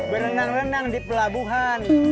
berlengang lengang di pelabuhan